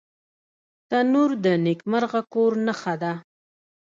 تنور د نیکمرغه کور نښه ده